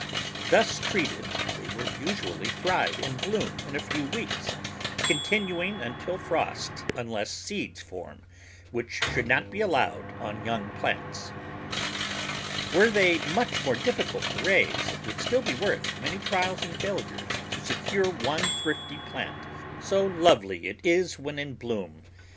Thus treated they will usually thrive and bloom in a few weeks, continuing until frost unless seeds form, which should not be allowed on young plants. Were they much more difficult to raise, it would still be worth many trials and failures to secure one thrifty plant, so lovely it is when in bloom.